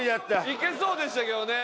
いけそうでしたけどね。